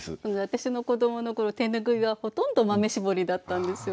私の子どもの頃手拭いはほとんど豆絞りだったんですよ。